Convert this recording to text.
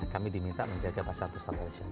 kami diminta menjaga pasar tradisional